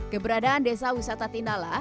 keberadaan desa wisata tinala